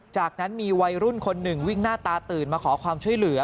จากนั้นมีวัยรุ่นคนหนึ่งวิ่งหน้าตาตื่นมาขอความช่วยเหลือ